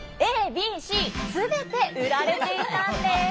ＡＢＣすべて売られていたんです。